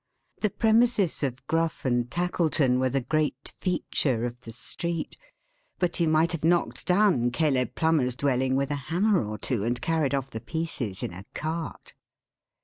The premises of Gruff and Tackleton were the great feature of the street; but you might have knocked down Caleb Plummer's dwelling with a hammer or two, and carried off the pieces in a cart.